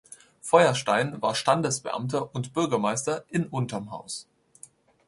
Feuerstein war Standesbeamter und Bürgermeister in Untermhaus.